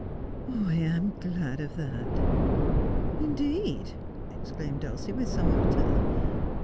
' I am glad of that.' ' Indeed !' exclaimed Dulcie, with some hauteur.